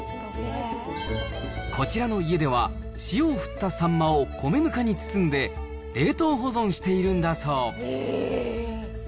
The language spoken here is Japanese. こちらの家では、塩を振ったサンマを米ぬかに包んで、冷凍保存しているんだそう。